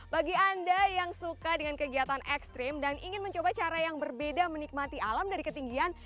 bagi anda yang suka dengan kegiatan ekstrim dan ingin mencoba cara yang berbeda menikmati alam dari ketinggian